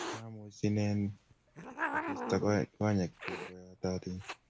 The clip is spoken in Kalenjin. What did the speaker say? mamuch sinen abisto konyekchu koyatotin